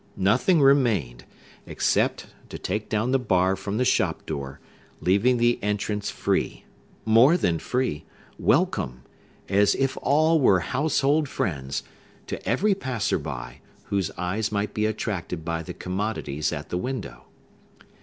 Nothing remained, except to take down the bar from the shop door, leaving the entrance free—more than free—welcome, as if all were household friends—to every passer by, whose eyes might be attracted by the commodities at the window.